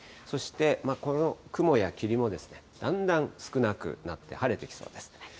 そしてこの雲や霧も、だんだん少なくなって、晴れてきそうです。